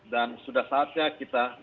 dan sudah saatnya kita